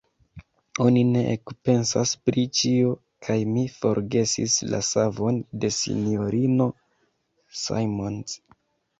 Oni ne ekpensas pri ĉio, kaj mi forgesis la savon de S-ino Simons.